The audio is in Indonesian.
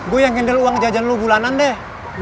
gue yang gindal uang jajan lo bulanan deh